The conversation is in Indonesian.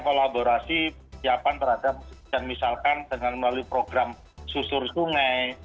kita lakukan kolaborasi siapkan terhadap misalkan dengan melalui program susur sungai